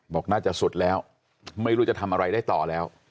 บอกน่าจะสุดแล้วไม่รู้จะทำอะไรได้ต่อแล้ว